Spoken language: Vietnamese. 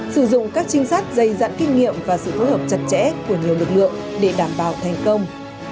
sử dụng các trinh sát dày dặn kinh nghiệm và sự phối hợp chặt chẽ của nhiều lực lượng để đảm bảo thành công